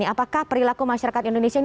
apakah perilaku masyarakat indonesia